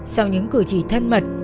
sau những cử chỉ thân mật